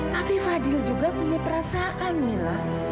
tapi fadil juga punya perasaan mila